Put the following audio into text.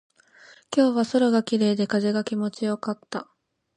今日は空が綺麗で、風が気持ちよかった。